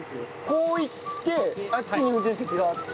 こう行ってあっちに運転席があって。